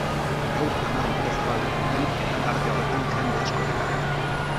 Gaur hamar urte zabaldu zuten eta tarte horretan jende asko erakarri du.